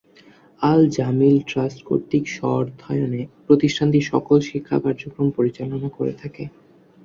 Al-Jamil trust কর্তৃক স্ব-অর্থায়নে প্রতিষ্ঠানটি সকল শিক্ষা কার্যক্রম পরিচালনা করে থাকে।